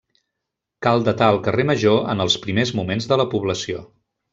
Cal datar el carrer Major en els primers moments de la població.